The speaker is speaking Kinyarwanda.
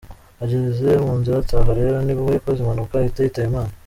Ageze mu nzira ataha rero ni bwo yakoze impanuka ahita yitaba Imana.»